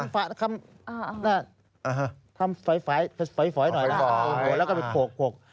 ฝันคำฝันฝอยหน่อยแล้วก็ไปโขลก